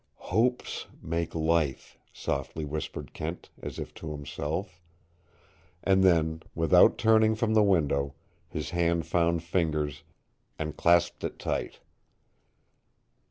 "Hopes make life," softly whispered Kent, as if to himself. And then, without turning from the window, his hand found Fingers' and clasped it tight.